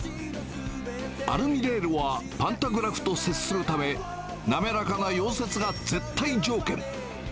アルミレールはパンタグラフと接するため、滑らかな溶接が絶対条件。